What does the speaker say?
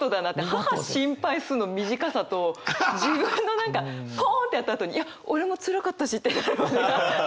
「母心配す」の短さと自分の何かポンってやったあとにいや俺もつらかったしっていうのが早！と思って。